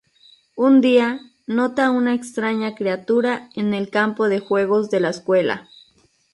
Un día, nota una extraña criatura en el campo de juegos de la escuela.